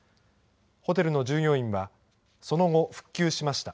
ホテルの従業員は、その後、復旧しました。